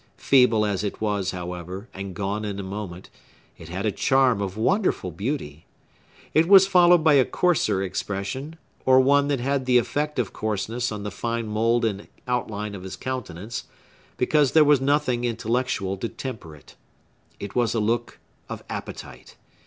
Feeble as it was, however, and gone in a moment, it had a charm of wonderful beauty. It was followed by a coarser expression; or one that had the effect of coarseness on the fine mould and outline of his countenance, because there was nothing intellectual to temper it. It was a look of appetite.